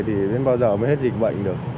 thì đến bao giờ mới hết dịch bệnh được